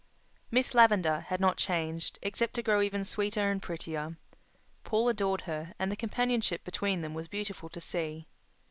"Miss Lavendar" had not changed, except to grow even sweeter and prettier. Paul adored her, and the companionship between them was beautiful to see.